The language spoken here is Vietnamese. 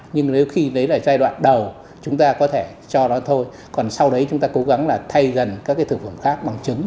nhưng nếu khi đấy là giai đoạn đầu chúng ta có thể cho nó thôi còn sau đấy chúng ta cố gắng là thay gần các cái thực phẩm khác bằng trứng